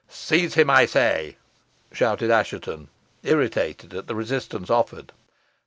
"Seize him, I say!" shouted Assheton, irritated at the resistance offered.